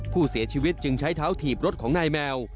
ผู้เสียชีวิตจึงใช้เท้าถีบรถของนายแมว